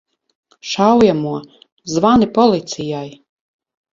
Šaujamo! Zvani policijai!